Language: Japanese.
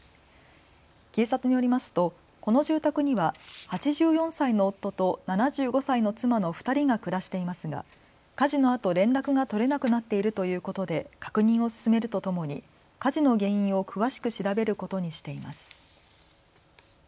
警察によりますと、この住宅には８４歳の夫と７５歳の妻の２人が暮らしていますが火事のあと連絡が取れなくなっているということで確認を進めるとともに火事の原因を詳しく調べることにしています。